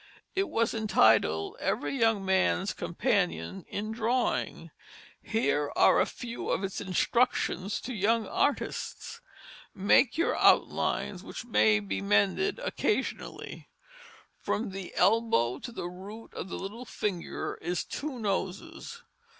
It was entitled Every Young Man's Companion in Drawing. Here are a few of its instructions to young artists: "Make your outlines, which may be mended occasionally. "From the Elbow to the Root of the Little Finger is Two Noses.